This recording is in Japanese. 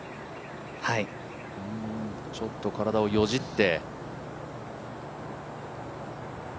ちょっと体をよじって。